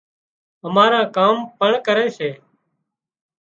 اماران ڪام پڻ ڪري سي